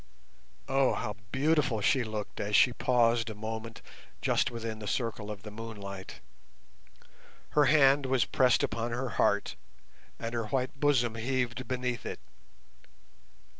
Oh, how beautiful she looked as she paused a moment just within the circle of the moonlight! Her hand was pressed upon her heart, and her white bosom heaved beneath it.